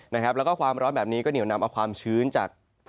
แล้วก็ความร้อนแบบนี้ก็เหนียวนำเอาความชื้นจาก